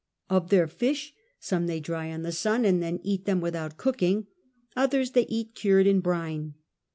Of their fish some they dry in the sun and then eat them without cooking, others they eat cured in brine.